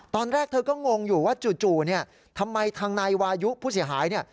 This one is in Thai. ตอนแรกเธอก็งงอยู่ว่าจู่ทำไมทางนายวายุผู้เสียหาย